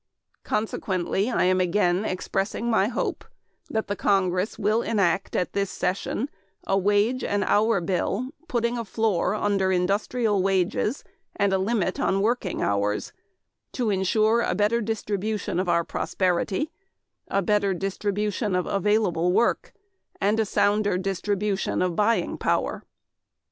Consequently, I am again expressing my hope that the Congress will enact at this session a wage and hour bill putting a floor under industrial wages and a limit on working hours to ensure a better distribution of our prosperity, a better distribution of available work, and a sounder distribution of buying power.